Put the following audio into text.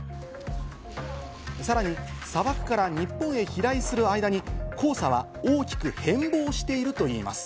さらに砂漠から日本へ飛来する間に黄砂は大きく変貌しているといいます。